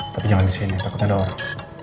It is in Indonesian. tapi jangan disini takut ada orang